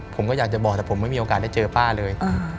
ผมก็อยากจะบอกแต่ผมไม่มีโอกาสได้เจอป้าเลย